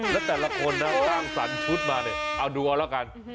และแต่ละคนตั้งสรรชุดมาเนี่ยเอาดูเอาละกัน